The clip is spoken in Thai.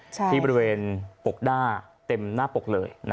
ที่บริเวณปกหน้าเต็มหน้าปกเลย